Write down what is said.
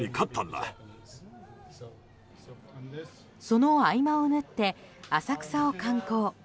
その合間を縫って浅草を観光。